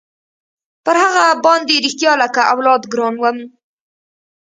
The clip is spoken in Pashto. پر هغه باندې رښتيا لكه اولاد ګران وم.